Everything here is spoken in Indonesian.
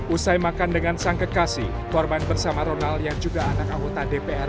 usai makan dengan sang kekasih korban bersama ronald yang juga anak anggota dpr